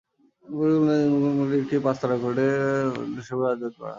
পরিকল্পনা অনুযায়ী সম্প্রতি মুম্বাইয়ের একটি পাঁচ তারকা হোটেলে নৈশভোজের আয়োজন করা হয়।